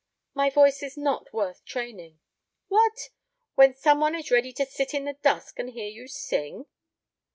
"My voice is not worth training." "What! When some one is ready to sit in the dusk and hear you sing?"